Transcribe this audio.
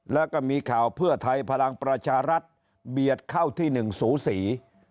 แล้วก็มีข่าวเพื่อไทยพลังประชารัฐเบียดเข้าที่หนึ่งสูสี